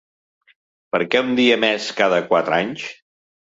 Per què un dia més cada quatre anys?